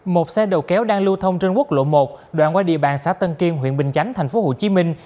một xe đầu kéo đang lưu thông trên quốc lộ một đoạn qua địa bàn xã tân kiên huyện bình chánh thành phố hồ chí minh